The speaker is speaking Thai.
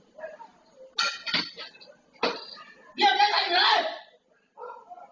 ถือเป็นการบอกว่าดีลองแรงเนวไหมครับ